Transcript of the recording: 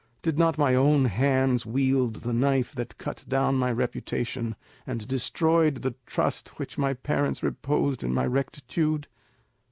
Did not my own hands wield the knife that cut down my reputation, and destroyed the trust which my parents reposed in my rectitude?